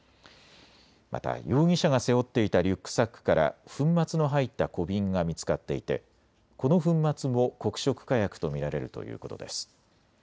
また容疑者が背負っていたリュックサックから粉末の入った小瓶が見つかっていてこの粉末も黒色火薬と見られるということです。